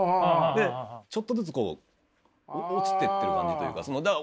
ちょっとずつ落ちてってる感じというか。